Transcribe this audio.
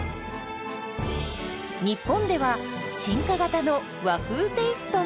日本では進化型の和風テイストも！